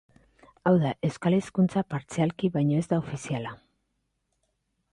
Hau da, euskal hizkuntza partzialki baino ez da ofiziala.